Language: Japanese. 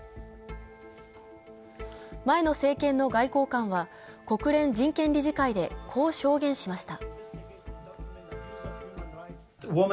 前の政権の外交官は国連人権理事会でこう証言しました。